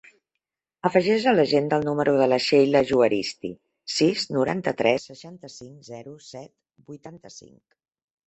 Afegeix a l'agenda el número de la Sheila Juaristi: sis, noranta-tres, seixanta-cinc, zero, set, vuitanta-cinc.